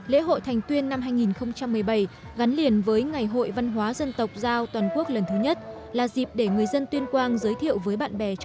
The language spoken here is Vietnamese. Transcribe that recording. lễ hội thành tuyên năm hai nghìn một mươi bảy gắn liền với ngày hội văn hóa dân tộc giao toàn quốc lần thứ nhất là dịp để người dân tuyên quang giới thiệu với bạn bè quốc tế